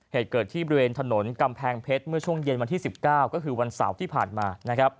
เหตุเกิดที่บริเวณถนนกำแพงเพชรเมื่อช่วงเย็นวันที่๑๙ก็คือวันเสาร์ที่ผ่านมา